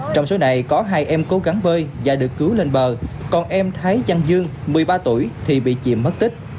trong số này có hai em cố gắng bơi và được cứu lên bờ còn em thái danh dương một mươi ba tuổi thì bị chìm mất tích